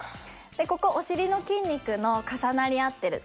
ここお尻の筋肉の重なり合ってる